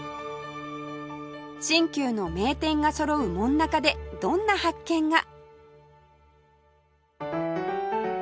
新旧の名店がそろう「もんなか」でどんな発見が？